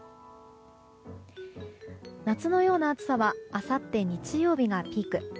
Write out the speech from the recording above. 夏のような暑さはあさって日曜日がピーク。